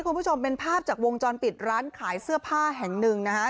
คุณผู้ชมเป็นภาพจากวงจรปิดร้านขายเสื้อผ้าแห่งหนึ่งนะฮะ